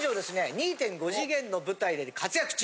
２．５次元の舞台で活躍中！